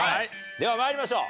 では参りましょう。